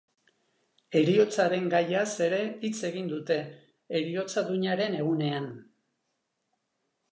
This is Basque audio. Heriotzaren gaiaz ere hitz egin dute, heriotza duinaren egunean.